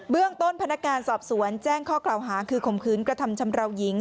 เรื่องต้นพนักการสอบสวนแจ้งข้อกล่าวหาคือข่มขืนกระทำชำราวหญิง